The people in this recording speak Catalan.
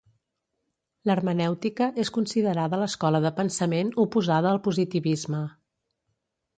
L'hermenèutica és considerada l'escola de pensament oposada al positivisme.